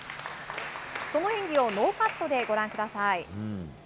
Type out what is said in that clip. その演技をノーカットでご覧ください。